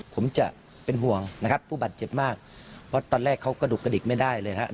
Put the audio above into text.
ผมจะเป็นห่วงนะครับผู้บาดเจ็บมากเพราะตอนแรกเขากระดุกกระดิกไม่ได้เลยนะครับ